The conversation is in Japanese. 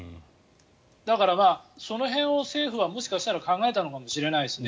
だから、その辺を政府はもしかしたら考えたのかもしれないですね。